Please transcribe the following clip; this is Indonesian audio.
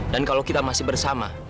dan kalau kita masih bersama